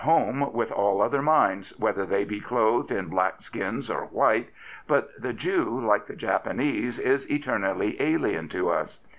home with all other minds, whether they be clothed in black skins or white, but the Jew, like the Japanese, is eternally alien to us.